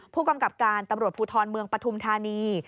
ผู้กำกับการตำรวจภูทรเมืองปฐุมธานี